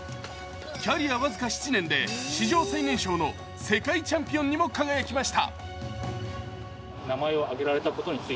キャリア僅か７年で史上最年少の世界チャンピオンにも輝きました。